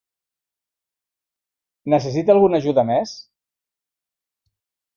Necessita alguna ajuda més?